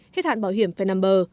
hết hạn bảo hiểm phải nằm bờ